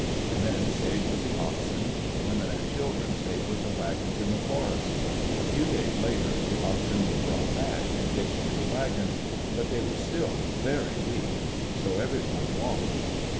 The men stayed with the oxen. The women and children stayed with the wagons in the forest. A few days later the oxen were brought back and hitched to the wagons, but they were still very weak. So everyone walked.